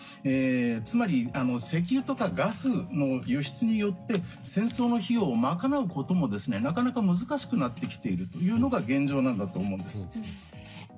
つまり石油とかガスの輸出によって戦争の費用を賄うこともなかなか難しくなってきているというのが現状なんだと思うんです。